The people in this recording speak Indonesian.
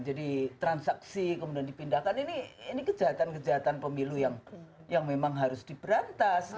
jadi transaksi kemudian dipindahkan ini kejahatan kejahatan pemilu yang memang harus diberantas